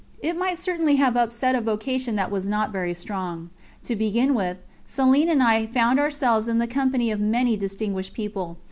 It might certainly have upset a vocation that was not very strong. To begin with, Céline and I found ourselves in the company of many distinguished people.